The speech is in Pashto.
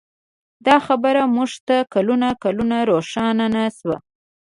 دا خبره موږ ته کلونه کلونه روښانه نه شوه.